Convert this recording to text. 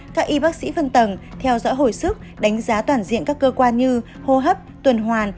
các y bác sĩ phân tầng theo dõi hồi sức đánh giá toàn diện các cơ quan như hô hấp tuần hoàn